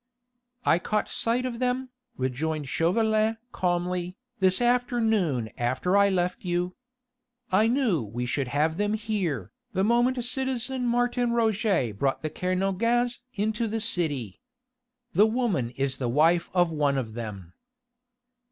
"I caught sight of them," rejoined Chauvelin calmly, "this afternoon after I left you. I knew we should have them here, the moment citizen Martin Roget brought the Kernogans into the city. The woman is the wife of one of them."